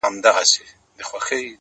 مخامخ وتراشل سوي بت ته ناست دی _